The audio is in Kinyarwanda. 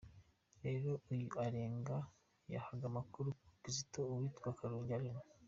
Rero uyu Iragena yahaga amakuru ya Kizito uwitwa Karungi Allen.